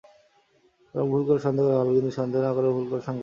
বরং ভুল করে সন্দেহ করা ভালো, কিন্তু সন্দেহ না করে ভুল করা সাংঘাতিক।